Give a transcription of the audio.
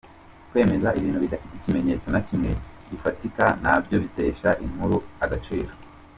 Kwemeza ibintu bidafite ikimenyetso na kimwe gifatika nabyo bitesha inkuru agaciro.